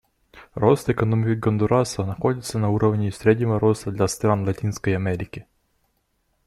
Рост экономики Гондураса находится на уровне среднего роста для стран Латинской Америки.